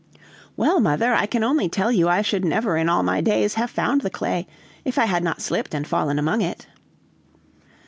"Well, mother, I can only tell you I should never in all my days have found the clay, if I had not slipped and fallen among it."